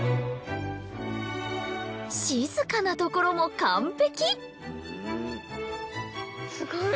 静かなところも完璧。